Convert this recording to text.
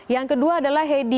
yang kedua adalah hedi